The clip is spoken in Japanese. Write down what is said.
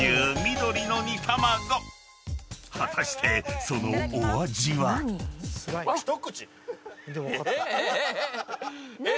［果たしてそのお味は？］えっ？